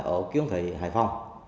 ở kiếm thị hải phòng